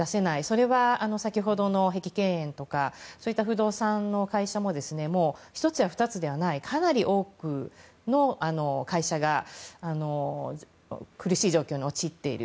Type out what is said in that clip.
それは先ほどの碧桂園とかそういった不動産の会社ももう１つや２つではないかなり多くの会社が苦しい状況に陥っている。